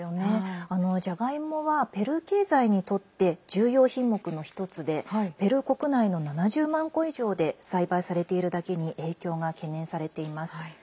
じゃがいもはペルー経済にとって重要品目の１つでペルー国内の７０万戸以上で栽培されているだけに影響が懸念されています。